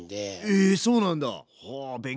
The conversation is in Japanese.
えそうなんだ。